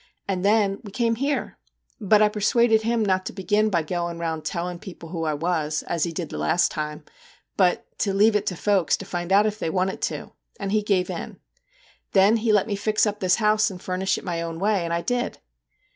And then we came here. But I persuaded him not to begin by going round telling people who I was as he did the last time, but to leave it to folks to find out if they wanted to, and he gave in. Then he let me fix up this house and furnish it my own way, and I did